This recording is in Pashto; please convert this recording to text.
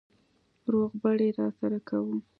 روغبړ يې راسره کاوه.